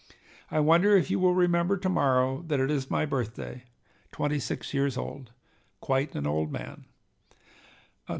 "I wonder if you will remember to morrow that it is my birthday, twenty six years old. Quite an old man!"